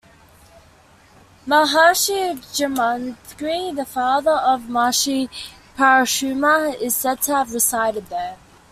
Maharshi Jamadagni, the father of Maharshi Parashurama, is said to have resided here.